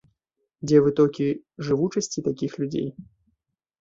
Дзе вытокі жывучасці такіх людзей?